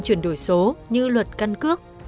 chuyển đổi số như luật căn cước